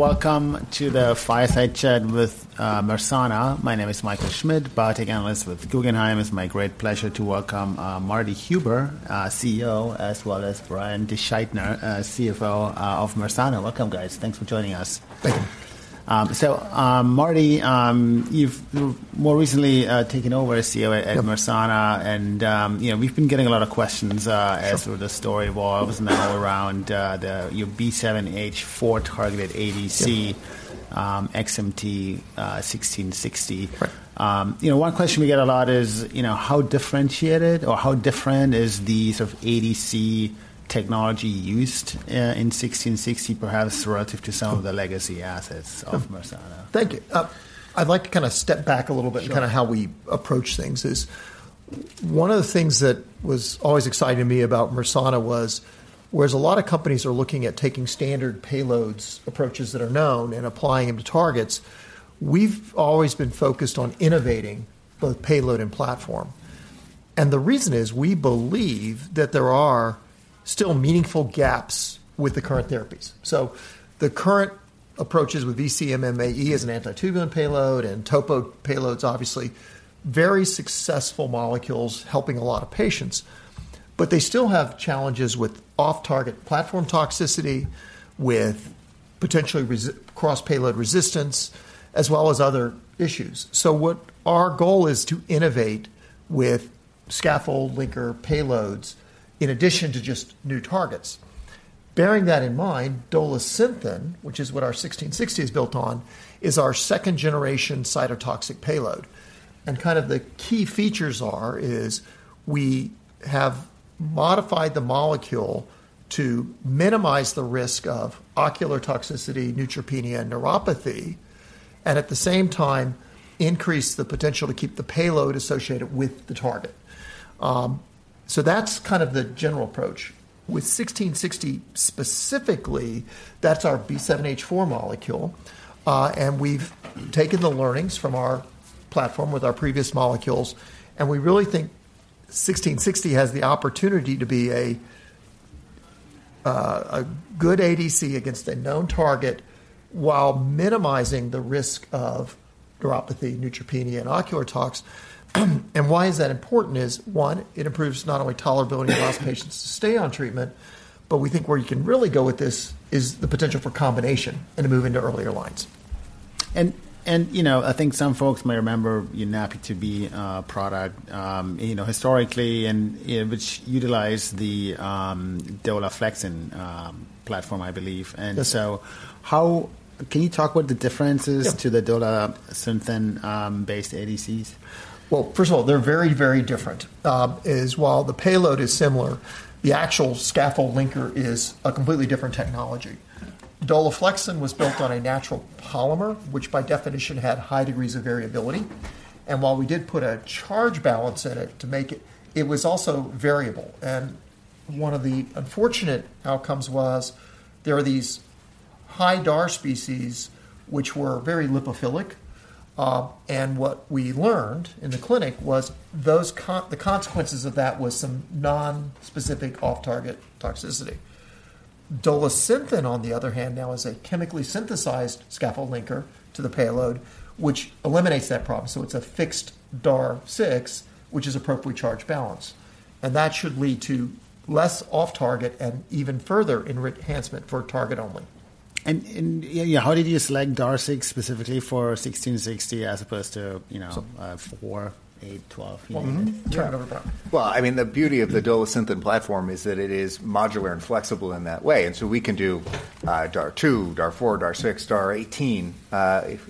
Welcome to the Fireside Chat with Mersana. My name is Michael Schmidt, biotech analyst with Guggenheim. It's my great pleasure to welcome Martin Huber, CEO, as well as Brian DeSchuytner, CFO, of Mersana. Welcome, guys. Thanks for joining us. Thank you. So, Marty, you've more recently taken over as CEO at- Yeah - Mersana, and, you know, we've been getting a lot of questions, Sure - as the story evolves now around your B7-H4 targeted ADC, Yeah. XMT-1660. Right. You know, one question we get a lot is, you know, how differentiated or how different is the sort of ADC technology used in 1660, perhaps relative to some of the legacy assets of Mersana? Thank you. I'd like to kinda step back a little bit. Sure. Kinda how we approach things is, one of the things that was always exciting to me about Mersana was, whereas a lot of companies are looking at taking standard payloads, approaches that are known and applying them to targets, we've always been focused on innovating both payload and platform. The reason is, we believe that there are still meaningful gaps with the current therapies. So the current approaches with VC-MMAE as an anti-tubulin payload and topo payloads, obviously, very successful molecules helping a lot of patients, but they still have challenges with off-target platform toxicity, with potentially cross-payload resistance, as well as other issues. Our goal is to innovate with scaffold linker payloads in addition to just new targets. Bearing that in mind, Dolasynthen, which is what our 1660 is built on, is our second-generation cytotoxic payload. Kind of the key features are, is we have modified the molecule to minimize the risk of ocular toxicity, neutropenia, and neuropathy, and at the same time, increase the potential to keep the payload associated with the target. So that's kind of the general approach. With 1660, specifically, that's our B7-H4 molecule, and we've taken the learnings from our platform with our previous molecules, and we really think 1660 has the opportunity to be a good ADC against a known target while minimizing the risk of neuropathy, neutropenia, and ocular tox. And why is that important is, one, it improves not only tolerability, allows patients to stay on treatment, but we think where you can really go with this is the potential for combination and to move into earlier lines. You know, I think some folks may remember your NaPi2b product, you know, historically, and which utilized the Dolaflexin platform, I believe. Yes. How can you talk about the differences? Yeah - to the Dolasynthen-based ADCs? Well, first of all, they're very, very different. While the payload is similar, the actual scaffold linker is a completely different technology. Dolaflexin was built on a natural polymer, which by definition had high degrees of variability, and while we did put a charge balance in it to make it, it was also variable. And one of the unfortunate outcomes was there are these high DAR species which were very lipophilic, and what we learned in the clinic was those the consequences of that was some non-specific off-target toxicity. Dolasynthen, on the other hand, now is a chemically synthesized scaffold linker to the payload, which eliminates that problem. So it's a fixed DAR 6, which is appropriately charge balanced, and that should lead to less off-target and even further enhancement for target only. Yeah, how did you select DAR 6 specifically for XMT-1660 as opposed to, you know- So- - 4, 8, 12? Mm-hmm. Yeah. Well, I mean, the beauty of the Dolasynthen platform is that it is modular and flexible in that way, and so we can do DAR 2, DAR 4, DAR 6, DAR 18,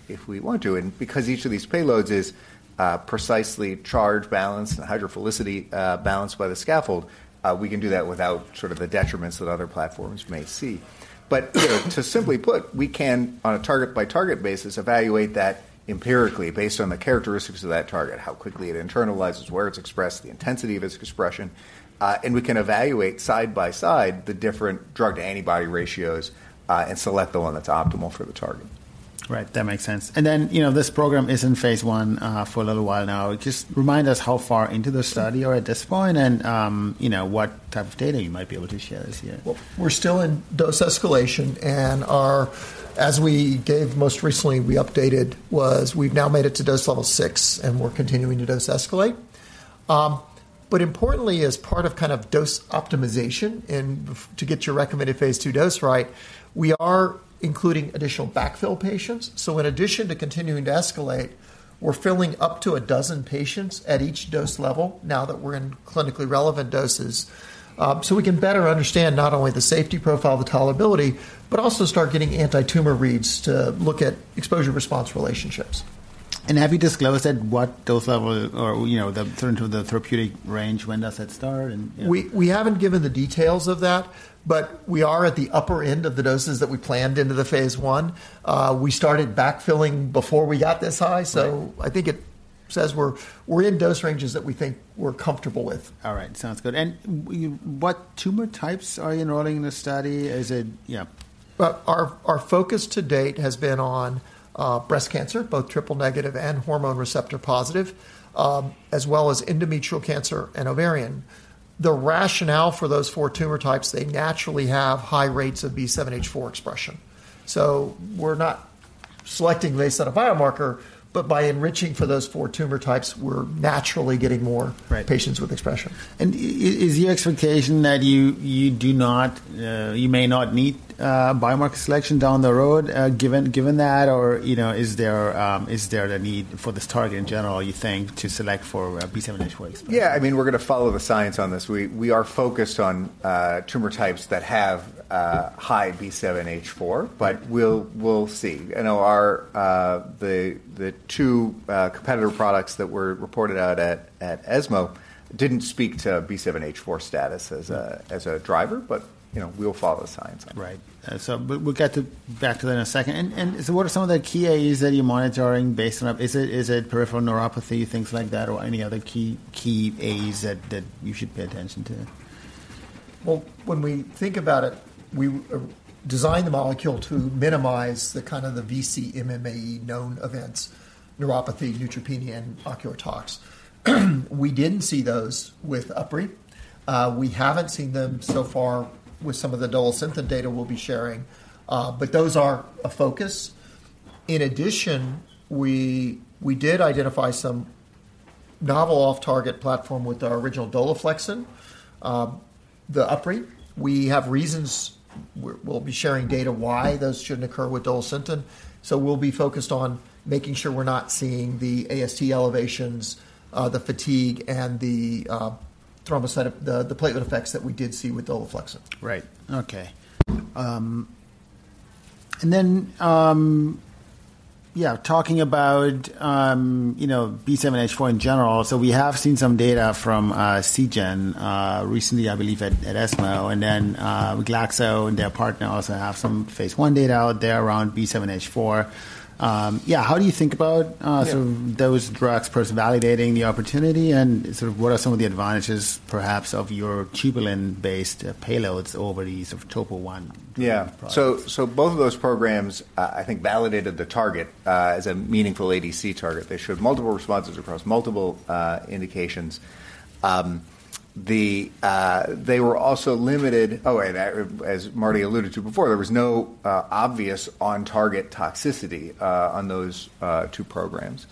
if we want to. And because each of these payloads is precisely charge balanced and hydrophilicity balanced by the scaffold, we can do that without sort of the detriments that other platforms may see. But, to simply put, we can, on a target-by-target basis, evaluate that empirically based on the characteristics of that target, how quickly it internalizes, where it's expressed, the intensity of its expression, and we can evaluate side by side the different drug-to-antibody ratios and select the one that's optimal for the target. Right, that makes sense. And then, you know, this program is in phase 1 for a little while now. Just remind us how far into the study you are at this point and, you know, what type of data you might be able to share this year. Well, we're still in dose escalation, and as we gave most recently, we updated, was we've now made it to dose level six, and we're continuing to dose escalate. But importantly, as part of kind of dose optimization and to get your recommended phase II dose right, we are including additional backfill patients. So in addition to continuing to escalate, we're filling up to a dozen patients at each dose level now that we're in clinically relevant doses, so we can better understand not only the safety profile, the tolerability, but also start getting anti-tumor reads to look at exposure-response relationships. Have you disclosed at what dose level or, you know, the turn to the therapeutic range, when does that start and- We haven't given the details of that, but we are at the upper end of the doses that we planned into the phase I. We started backfilling before we got this high. Right. So I think it says we're in dose ranges that we think we're comfortable with. All right. Sounds good. And you, what tumor types are you enrolling in this study? Is it... Yeah. Well, our, our focus to date has been on breast cancer, both triple-negative and hormone receptor-positive, as well as endometrial cancer and ovarian.... The rationale for those four tumor types, they naturally have high rates of B7-H4 expression. So we're not selecting based on a biomarker, but by enriching for those four tumor types, we're naturally getting more- Right. patients with expression. Is the expectation that you do not, you may not need biomarker selection down the road, given that? Or, you know, is there the need for this target in general, you think, to select for B7-H4 expression? Yeah, I mean, we're going to follow the science on this. We are focused on tumor types that have high B7-H4, but we'll see. I know the two competitor products that were reported out at ESMO didn't speak to B7-H4 status as a driver, but, you know, we'll follow the science. Right. So but we'll get to back to that in a second. And so what are some of the key AEs that you're monitoring based on? Is it, is it peripheral neuropathy, things like that, or any other key, key AEs that, that you should pay attention to? Well, when we think about it, we designed the molecule to minimize the kind of the VC-MMAE known events, neuropathy, neutropenia, and ocular tox. We didn't see those with UpRi. We haven't seen them so far with some of the Dolasynthen data we'll be sharing, but those are a focus. In addition, we did identify some novel off-target effects with our original Dolaflexin, the UpRi. We have reasons, we'll be sharing data why those shouldn't occur with Dolasynthen, so we'll be focused on making sure we're not seeing the AST elevations, the fatigue, and the platelet effects that we did see with Dolaflexin. Right. Okay. And then, yeah, talking about, you know, B7-H4 in general, so we have seen some data from Seagen recently, I believe, at ESMO, and then Glaxo and their partners also have some phase one data out there around B7-H4. Yeah, how do you think about- Yeah... sort of those drugs versus validating the opportunity, and sort of what are some of the advantages, perhaps, of your tubulin-based payloads over the use of topo-1? Yeah. So, both of those programs, I think validated the target, as a meaningful ADC target. They showed multiple responses across multiple, indications. The, they were also limited... Oh, and as Marty alluded to before, there was no, obvious on-target toxicity, on those, two programs.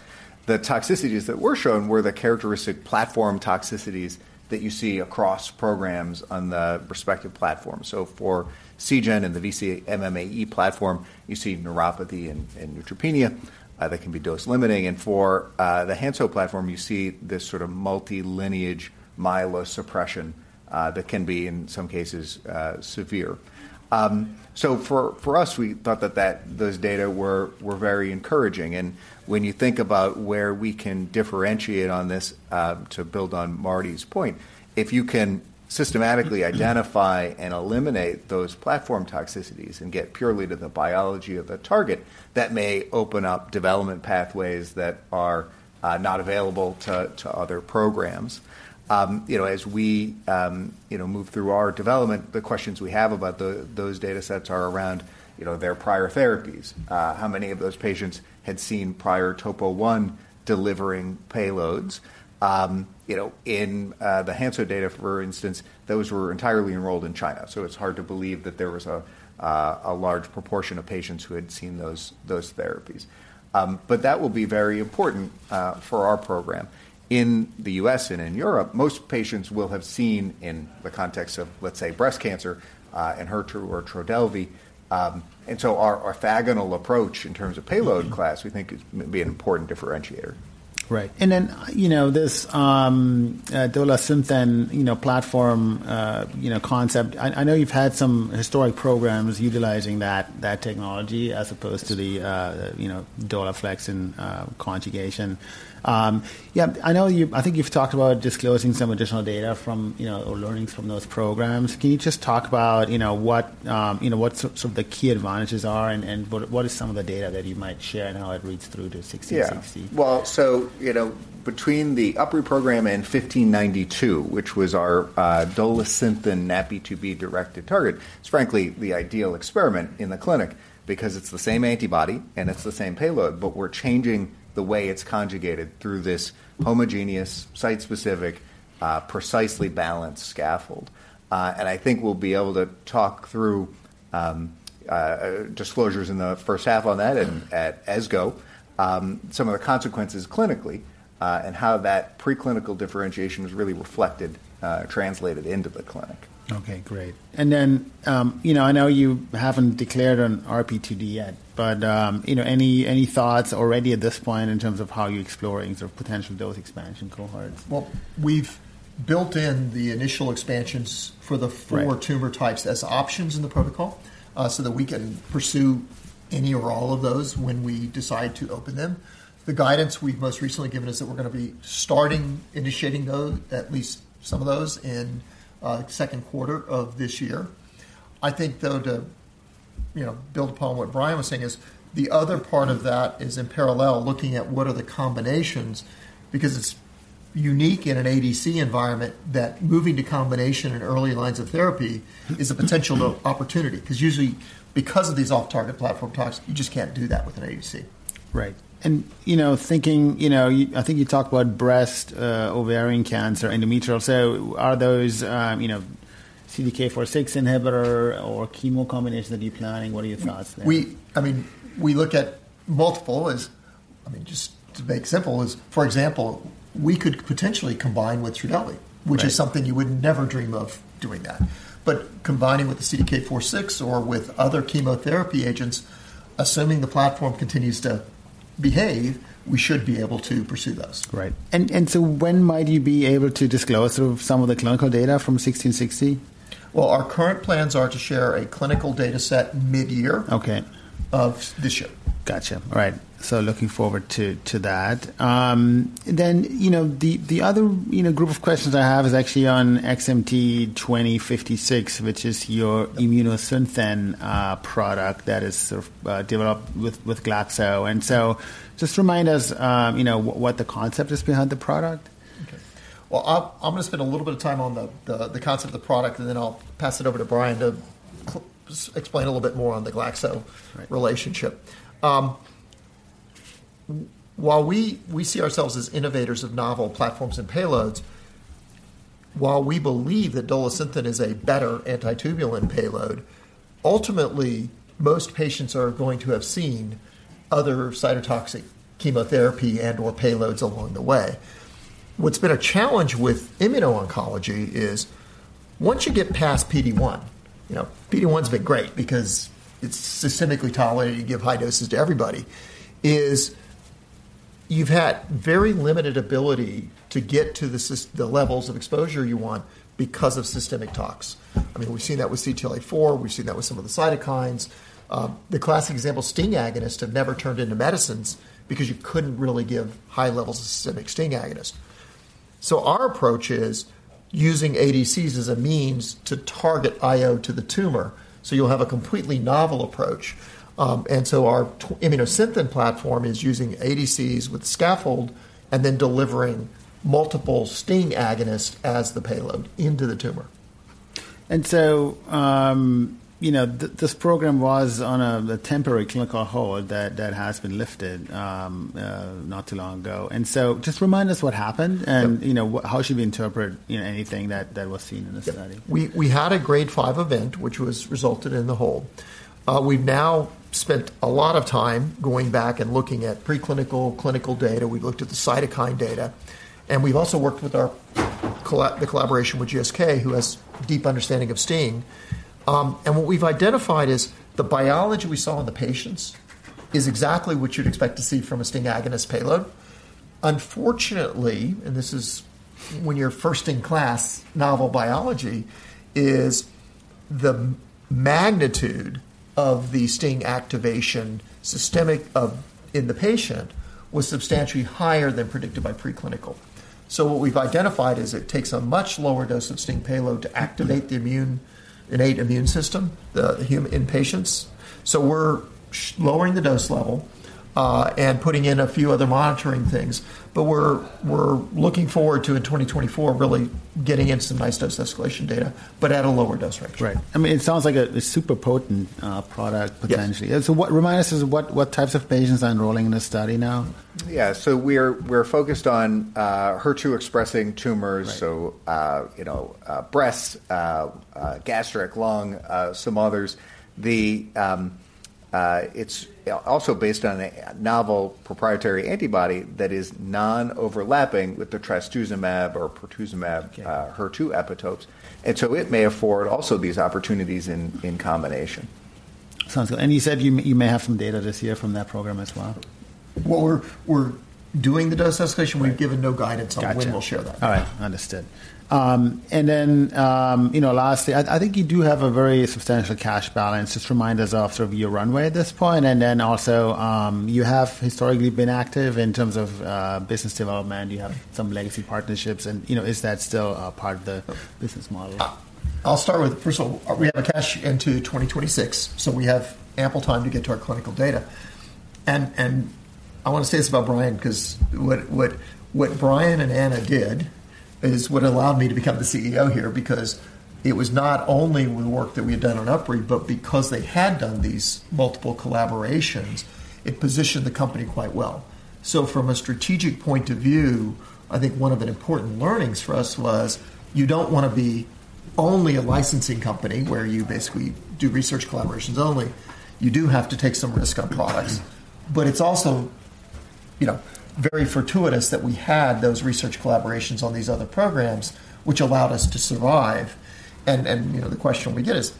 The toxicities that were shown were the characteristic platform toxicities that you see across programs on the respective platform. So for Seagen and the VC-MMAE platform, you see neuropathy and, and neutropenia, that can be dose-limiting. And for, the Hansoh platform, you see this sort of multi-lineage myelosuppression, that can be, in some cases, severe. So for, us, we thought that, those data were, very encouraging. When you think about where we can differentiate on this, to build on Marty's point, if you can systematically identify and eliminate those platform toxicities and get purely to the biology of a target, that may open up development pathways that are not available to other programs. You know, as we, you know, move through our development, the questions we have about those datasets are around, you know, their prior therapies. How many of those patients had seen prior top one delivering payloads? You know, in the Hansoh data, for instance, those were entirely enrolled in China, so it's hard to believe that there was a large proportion of patients who had seen those therapies. But that will be very important for our program. In the U.S. and in Europe, most patients will have seen in the context of, let's say, breast cancer, and HER2 or Trodelvy. And so our agnostic approach in terms of payload class- Mm-hmm. We think it may be an important differentiator. Right. And then, you know, this, Dolasynthen, you know, platform, you know, concept, I know you've had some historic programs utilizing that technology as opposed to the, you know, Dolaflexin conjugation. Yeah, I know you I think you've talked about disclosing some additional data from, you know, or learnings from those programs. Can you just talk about, you know, what, you know, what sort of the key advantages are and what is some of the data that you might share and how it reads through to XMT-1660? Yeah. Well, so, you know, between the UpRi program and XMT-1592, which was our Dolasynthen NaPi2b-directed target, it's frankly the ideal experiment in the clinic because it's the same antibody and it's the same payload, but we're changing the way it's conjugated through this homogeneous, site-specific, precisely balanced scaffold. And I think we'll be able to talk through disclosures in the first half on that- Mm-hmm. -at ESGO, some of the consequences clinically, and how that preclinical differentiation was really reflected, translated into the clinic. Okay, great. And then, you know, I know you haven't declared an RPTD yet, but, you know, any thoughts already at this point in terms of how you're exploring sort of potential dose expansion cohorts? Well, we've built in the initial expansions for the- Right... four tumor types as options in the protocol, so that we can pursue any or all of those when we decide to open them. The guidance we've most recently given is that we're gonna be starting initiating those, at least some of those, in second quarter of this year. I think, though, to, you know, build upon what Brian was saying, is the other part of that is in parallel, looking at what are the combinations, because it's unique in an ADC environment that moving to combination in early lines of therapy is a potential opportunity. Because usually, because of these off-target platform talks, you just can't do that with an ADC. Right. And, you know, thinking, you know, I think you talked about breast, ovarian cancer, endometrial. So are those, you know, CDK4/6 inhibitor or chemo combination that you're planning? What are your thoughts there? I mean, we look at multiple. I mean, just to make it simple, for example, we could potentially combine with Trodelvy- Right. Which is something you would never dream of doing that. But combining with the CDK4/6 or with other chemotherapy agents, assuming the platform continues to behave, we should be able to pursue those. Great. And so when might you be able to disclose some of the clinical data from XMT-1660? Well, our current plans are to share a clinical dataset mid-year. Okay. of this year. Got you. All right. So looking forward to that. Then, you know, the other group of questions I have is actually on XMT-2056, which is your Immunosynthen product that is sort of developed with Glaxo. And so just remind us, you know, what the concept is behind the product. Okay. Well, I'm gonna spend a little bit of time on the concept of the product, and then I'll pass it over to Brian to explain a little bit more on the Glaxo- Right -relationship. While we see ourselves as innovators of novel platforms and payloads, while we believe that Dolasynthen is a better antitubulin payload, ultimately, most patients are going to have seen other cytotoxic chemotherapy and/or payloads along the way. What's been a challenge with immuno-oncology is once you get past PD-1, you know, PD-1's been great because it's systemically tolerated, you give high doses to everybody, is you've had very limited ability to get to the levels of exposure you want because of systemic tox. I mean, we've seen that with CTLA-4, we've seen that with some of the cytokines. The classic example, STING agonists, have never turned into medicines because you couldn't really give high levels of systemic STING agonist. So our approach is using ADCs as a means to target IO to the tumor, so you'll have a completely novel approach. And so our Immunosynthen platform is using ADCs with scaffold and then delivering multiple STING agonists as the payload into the tumor. And so, you know, this program was on the temporary clinical hold that has been lifted not too long ago. And so just remind us what happened and- Sure. You know, how should we interpret, you know, anything that, that was seen in the study? We had a grade five event, which was resulted in the hold. We've now spent a lot of time going back and looking at preclinical, clinical data. We've looked at the cytokine data, and we've also worked with our collaboration with GSK, who has deep understanding of STING. And what we've identified is the biology we saw in the patients is exactly what you'd expect to see from a STING agonist payload. Unfortunately, and this is when you're first in class, novel biology, is the magnitude of the STING activation, systemic of in the patient, was substantially higher than predicted by preclinical. So what we've identified is it takes a much lower dose of STING payload to activate the immune, innate immune system, in patients. So we're lowering the dose level, and putting in a few other monitoring things. But we're looking forward to, in 2024, really getting into some nice dose escalation data, but at a lower dose range. Right. I mean, it sounds like a super potent product, potentially. Yes. Remind us of what types of patients are enrolling in this study now? Yeah. So we're focused on HER2-expressing tumors. Right. So, you know, breast, gastric, lung, some others. It's also based on a novel proprietary antibody that is non-overlapping with the Trastuzumab or Pertuzumab- Okay HER2 epitopes, and so it may afford also these opportunities in, in combination. Sounds good. And you said you may have some data this year from that program as well? Well, we're doing the dose escalation. Right. We've given no guidance on- Got you. when we'll share that. All right. Understood. And then, you know, lastly, I think you do have a very substantial cash balance. Just remind us of sort of your runway at this point, and then also, you have historically been active in terms of business development. You have some legacy partnerships and, you know, is that still a part of the business model? I'll start with, first of all, we have cash into 2026, so we have ample time to get to our clinical data. And I want to say this about Brian, 'cause what Brian and Anna did is what allowed me to become the CEO here, because it was not only the work that we had done on UpRi, but because they had done these multiple collaborations, it positioned the company quite well. So from a strategic point of view, I think one of the important learnings for us was, you don't want to be only a licensing company, where you basically do research collaborations only. You do have to take some risk on products. But it's also, you know, very fortuitous that we had those research collaborations on these other programs, which allowed us to survive. You know, the question we get is,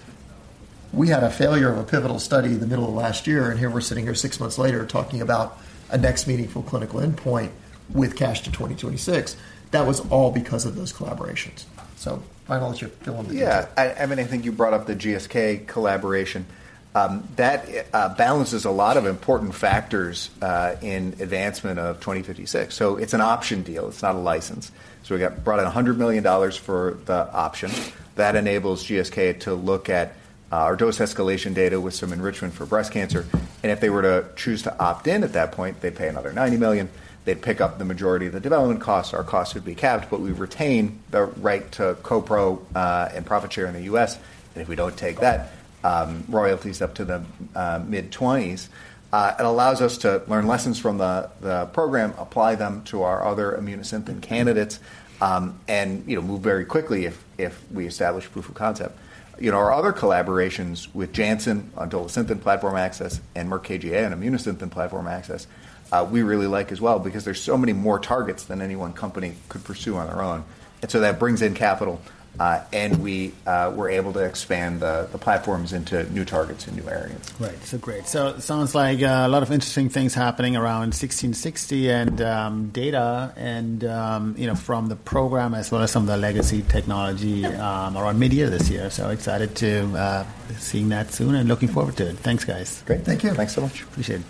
we had a failure of a pivotal study in the middle of last year, and here we're sitting here six months later talking about a next meaningful clinical endpoint with cash to 2026. That was all because of those collaborations. So Brian, why don't you fill in the details? Yeah. I mean, I think you brought up the GSK collaboration. That balances a lot of important factors in advancement of 2056. So it's an option deal, it's not a license. So we brought in $100 million for the option. That enables GSK to look at our dose escalation data with some enrichment for breast cancer, and if they were to choose to opt in at that point, they'd pay another $90 million. They'd pick up the majority of the development costs. Our costs would be capped, but we retain the right to co-pro and profit share in the U.S., and if we don't take that, royalties up to the mid-twenties. It allows us to learn lessons from the program, apply them to our other Immunosynthen candidates, and, you know, move very quickly if we establish proof of concept. You know, our other collaborations with Janssen on Dolasynthen platform access and Merck KGaA on Immunosynthen platform access, we really like as well, because there's so many more targets than any one company could pursue on their own. And so that brings in capital, and we were able to expand the platforms into new targets and new areas. Right. So great. So sounds like, a lot of interesting things happening around 1660 and, data and, you know, from the program, as well as some of the legacy technology, around mid-year this year. So excited to, seeing that soon and looking forward to it. Thanks, guys. Great. Thank you. Thanks so much. Appreciate it.